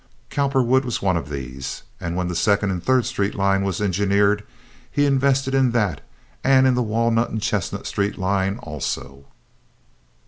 Cowperwood was one of these, and when the Second and Third Street line was engineered, he invested in that and in the Walnut and Chestnut Street line also.